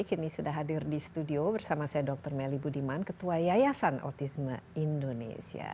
kini sudah hadir di studio bersama saya dr melly budiman ketua yayasan autisme indonesia